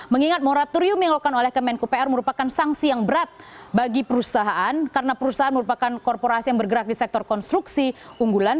mengingat moratorium yang dilakukan oleh kemenko pr merupakan sanksi yang berat bagi perusahaan karena perusahaan merupakan korporasi yang bergerak di sektor konstruksi unggulan